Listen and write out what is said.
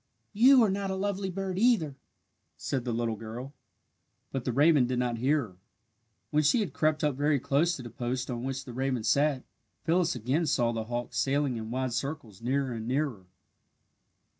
"You are not a lovely bird either," said the little girl, but the raven did not hear her. When she had crept up very close to the post on which the raven sat, Phyllis again saw the hawk sailing in wide circles nearer and nearer.